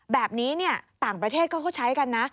แบบนี้เนี่ยต่างประเทศก็ใช้กันนะ